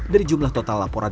dari jumlah total laporan